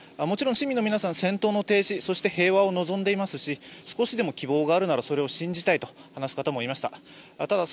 もちろん市民の皆さん、戦闘の停止平和を望んでいますし少しでも希望があるならそれを信じたいと話す方もいました。